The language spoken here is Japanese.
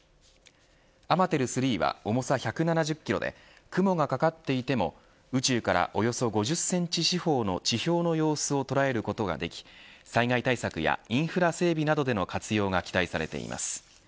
アマテル‐３は重さ１７０キロで雲がかかっていても、宇宙からおよそ５０センチ四方の地表の様子を捉えることができ災害対策やインフラ整備などでの活用が期待されています。